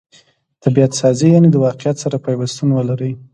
طبعت سازي؛ یعني د واقعیت سره پیوستون ولري.